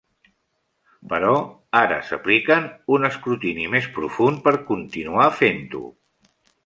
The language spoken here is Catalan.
Però ara s'apliquen un escrutini més profund per continuar fent-ho.